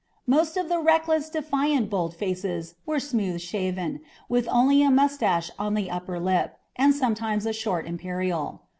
Most of the reckless, defiantly bold faces were smooth shaven, with only a mustache on the upper lip, and sometimes a short imperial.